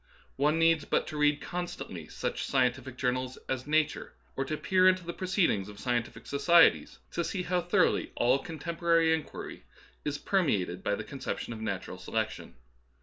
One needs but to read constantly such scientific jour nals as " Nature," or to peer into the proceedings of scientific societies, to see how thoroughly all' contemporary inquiry is permeated by the con ception of natural selection.